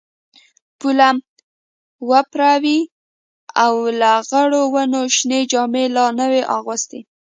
پوله وپړه وې او لغړو ونو شنې جامې لا نه وې اغوستي.